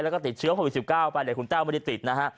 แล้วก็ติดเชื้อโควิด๑๙ไปแต่คุณแต้วไม่ได้ติดนะฮะ